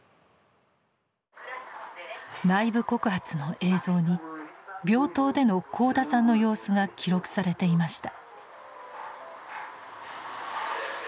内部告発の映像に病棟での幸田さんの様子が記録されていました。